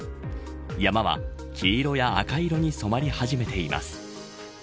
山は黄色や赤色に染まり始めています。